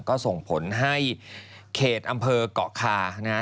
ก็ส่งผลให้เขตอำเภอกเกาะคานะฮะ